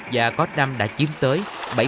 và có năm đã chiếm tới